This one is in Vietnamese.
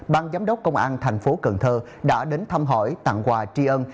ban giám đốc công an tp cần thơ đã đến thăm hỏi tặng quà tri ân